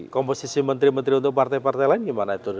komposisi menteri menteri untuk partai partai lain gimana itu